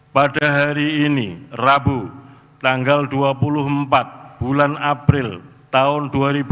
pada hari ini rabu tanggal dua puluh empat bulan april tahun dua ribu dua puluh